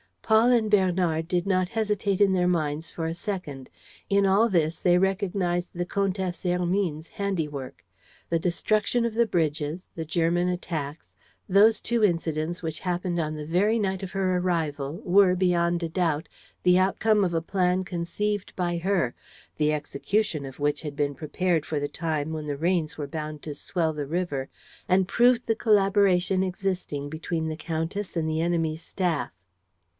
Paul and Bernard did not hesitate in their minds for a second. In all this they recognized the Comtesse Hermine's handiwork. The destruction of the bridges, the German attacks, those two incidents which happened on the very night of her arrival were, beyond a doubt, the outcome of a plan conceived by her, the execution of which had been prepared for the time when the rains were bound to swell the river and proved the collaboration existing between the countess and the enemy's staff.